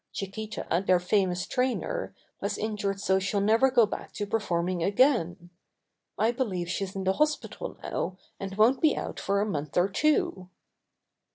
Chiquita, their famous trainer, was injured so she'll never go back to performing again. I believe she's in the hospital now, and won't be out for a month or two."